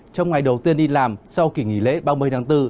trong ngày đầu tiên đi làm sau kỳ nghỉ lễ ba mươi tháng bốn